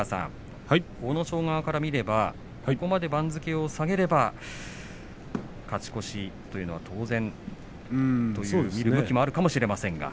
阿武咲側から見ればここまで番付を下げれば勝ち越しというのは当然と見る向きもあるかもしれませんが。